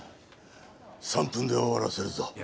３分で終わらせるぞ。